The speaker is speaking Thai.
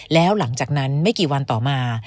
แล้วหลังจากนั้นไม่กี่วันต่อมา